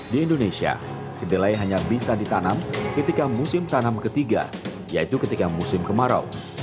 di indonesia kedelai hanya bisa ditanam ketika musim tanam ketiga yaitu ketika musim kemarau